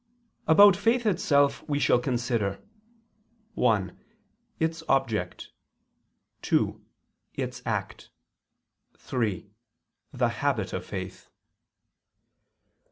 About faith itself we shall consider: (1) its object; (2) its act; (3) the habit of faith.